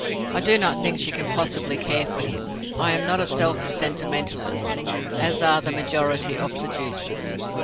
I do not think she can possibly care for him. I am not a selfish sentimentalist, as are the majority of seducers.